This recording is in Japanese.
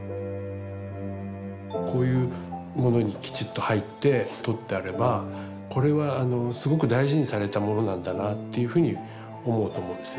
こういうものにきちっと入って取ってあればこれはすごく大事にされたものなんだなっていうふうに思うと思うんですよね。